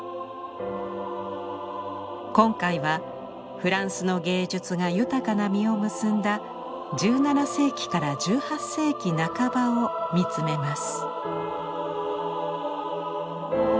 今回はフランスの芸術が豊かな実を結んだ１７世紀から１８世紀半ばを見つめます。